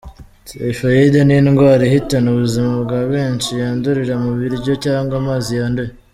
Typhoid ni indwara ihitana ubuzima bwa benshi, yandurira mu biryo cyangwa amazi yanduye.